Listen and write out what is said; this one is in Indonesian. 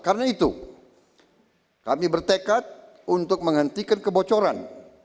karena itu kami bertekad untuk menghentikan kebocoran